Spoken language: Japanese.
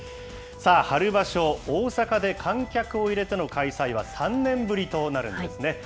さあ、春場所、大阪で観客を入れての開催は３年ぶりとなるんですね。